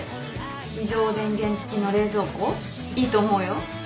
非常電源付きの冷蔵庫いいと思うよ。